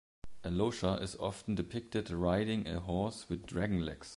Allocer is often depicted riding a horse with dragon legs.